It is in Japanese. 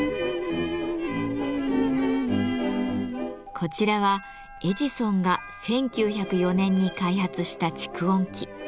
こちらはエジソンが１９０４年に開発した蓄音機。